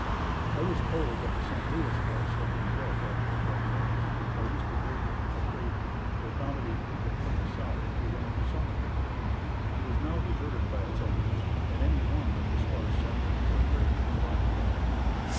I was told that the St. Louis House had been built after the fort was, by Mr. Baker, a trader, to accommodate people from the south, who wanted to summer here. It was now deserted by its owners and any one of the sparse settlers or traders would occupy it.